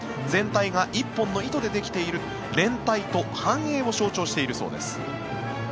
全体が１本の糸でできている連帯と繁栄を象徴しているそうです。